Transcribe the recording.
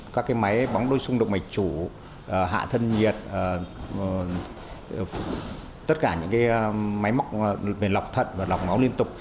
các cái máy bóng đôi xung động mạch chủ hạ thân nhiệt tất cả những cái máy lọc thận và lọc máu liên tục